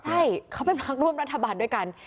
ใช่เขาเป็นพักร่วมรัฐบาลด้วยกัน